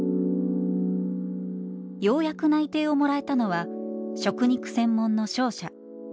ようやく内定をもらえたのは食肉専門の商社。